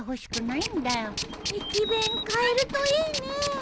駅弁買えるといいね。